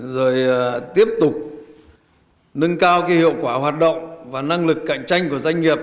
rồi tiếp tục nâng cao hiệu quả hoạt động và năng lực cạnh tranh của doanh nghiệp